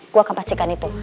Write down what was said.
gue akan pastikan itu